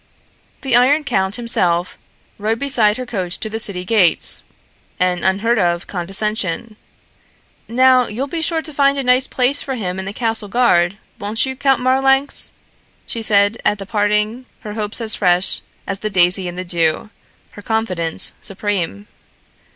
The Iron Count himself rode beside her coach to the city gates, an unheard of condescension. "Now, you'll be sure to find a nice place for him in the castle guard, won't you, Count Marlanx?" she said at the parting, her hopes as fresh as the daisy in the dew, her confidence supreme.